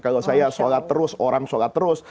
kalau saya sholat terus orang sholat terus